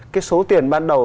cái số tiền ban đầu